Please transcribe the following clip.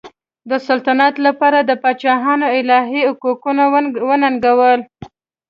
د سلطنت لپاره د پاچاهانو الهي حقوق وننګول.